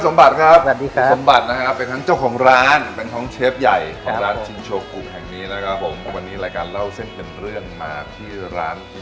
เมนูเส้นที่อยากจะแนะนำคืออะไร